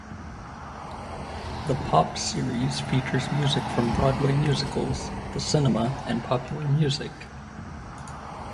The pops series features music from Broadway musicals, the cinema and popular music.